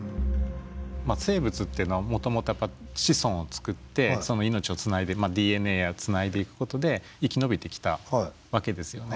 生物っていうのはもともと子孫を作ってその命をつないでＤＮＡをつないでいくことで生き延びてきたわけですよね。